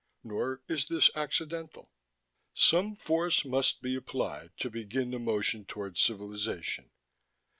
Nor is this accidental. Some force must be applied to begin the motion toward civilization.